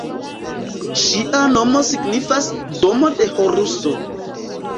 Ŝia nomo signifas "Domo de Horuso".